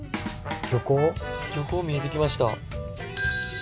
漁港見えて来ました。